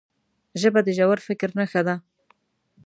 ژبه د ژور فکر نښه ده